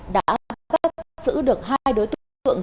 đã bắt giữ được hai đối tượng